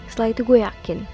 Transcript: setelah itu gue yakin